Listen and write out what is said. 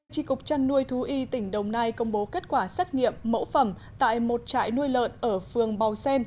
trị cục chăn nuôi thú y tỉnh đồng nai công bố kết quả xét nghiệm mẫu phẩm tại một trại nuôi lợn ở phường bào xen